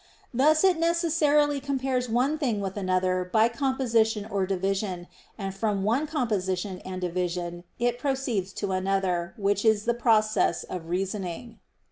Thus it necessarily compares one thing with another by composition or division; and from one composition and division it proceeds to another, which is the process of reasoning.